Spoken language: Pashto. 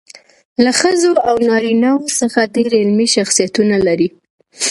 له ښځو او نارینه وو څخه ډېر علمي شخصیتونه لري.